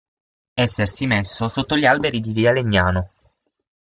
Essersi messo sotto gli alberi di via Legnano.